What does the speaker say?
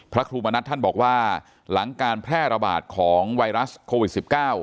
พระครูมณัฐท่านบอกว่าหลังการแพร่ระบาดของไวรัสโควิด๑๙